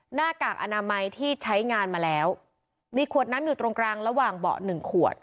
หน้ากากอนามัยที่ใช้งานมาแล้วมีขวดน้ำอยู่ตรงกลางระหว่างเบาะหนึ่งขวด